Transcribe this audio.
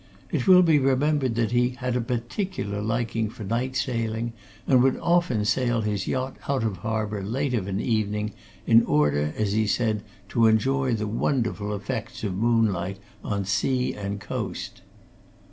It will be remembered that he had a particular liking for night sailing, and would often sail his yacht out of harbour late of an evening in order, as he said, to enjoy the wonderful effects of moonlight on sea and coast.'